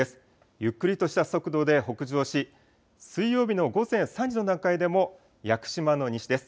ゆっくりとした速度で北上し、水曜日の午前３時の段階でも、屋久島の西です。